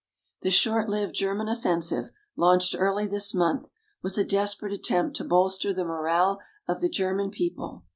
The short lived German offensive, launched early this month, was a desperate attempt to bolster the morale of the German people.